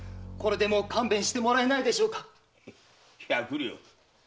これでもう勘弁してもらえないでしょうか。